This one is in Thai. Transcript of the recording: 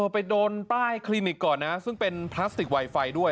ไปโดนป้ายคลินิกก่อนนะซึ่งเป็นพลาสติกไวไฟด้วย